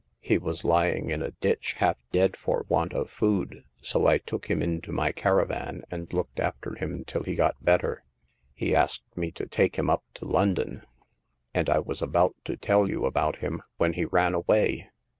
He was lying in a ditch half dead for want of food, so I took him into my caravan, and looked after him till he got better. He asked me to take him up to London ; and I was about to tell you about him when he ran away."